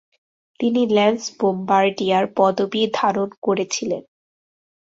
তিনি lance bombardier পদবী ধারণ করেছিলেন।